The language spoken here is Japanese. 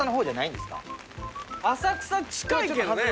浅草近いけどね。